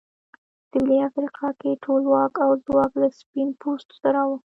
سوېلي افریقا کې ټول واک او ځواک له سپین پوستو سره و.